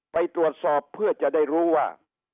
ไปตรวจสอบเพื่อจะได้รู้ว่า